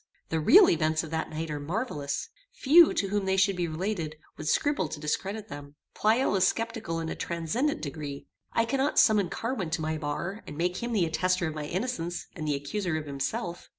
The real events of that night are marvellous. Few, to whom they should be related, would scruple to discredit them. Pleyel is sceptical in a transcendant degree. I cannot summon Carwin to my bar, and make him the attestor of my innocence, and the accuser of himself.